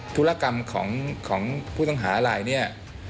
ธุรกรรมของผู้ตำหารอะไร